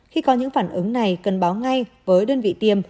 khi có những phản ứng này cần báo ngay với đơn vị tiêm